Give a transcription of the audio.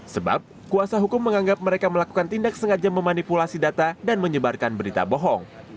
sebab kuasa hukum menganggap mereka melakukan tindak sengaja memanipulasi data dan menyebarkan berita bohong